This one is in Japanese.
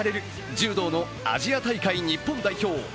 柔道のアジア大会日本代表。